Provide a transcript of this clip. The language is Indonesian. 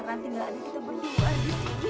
sekarang tinggal ada kita berdua disini